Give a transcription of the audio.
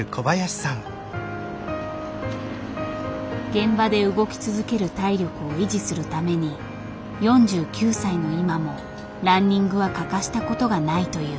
現場で動き続ける体力を維持するために４９歳の今もランニングは欠かしたことがないという。